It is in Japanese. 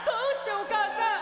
お母さん！